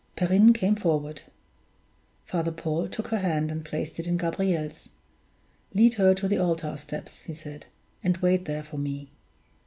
Perrine came forward. Father Paul took her hand and placed it in Gabriel's. "Lead her to the altar steps," he said, "and wait there for me."